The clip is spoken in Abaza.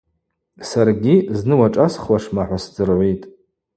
Саргьи – зны уашӏасхуашма-хӏва сдзыргӏвитӏ.